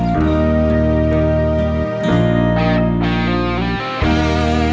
สมาธิพร้อม